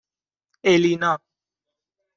اِلینا